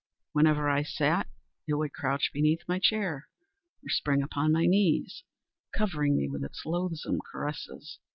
Whenever I sat, it would crouch beneath my chair, or spring upon my knees, covering me with its loathsome caresses.